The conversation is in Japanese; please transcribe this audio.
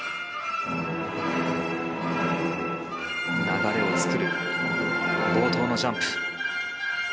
流れを作る冒頭のジャンプ。